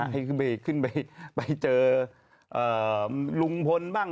ให้ไปเจอลุงพลบ้าง